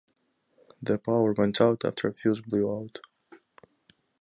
The power went out after a fuse blew out.